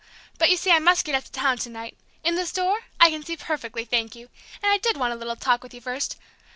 But you see I must get up to town to night in this door? I can see perfectly, thank you! and I did want a little talk with you first.